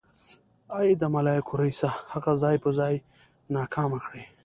ای د ملايکو ريسه اغه ځای په ځای ناکامه کړې.